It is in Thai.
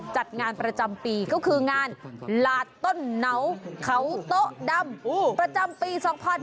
จัดงานประจำปีก็คืองานหลาดต้นเหนาเขาโต๊ะดำประจำปี๒๕๕๙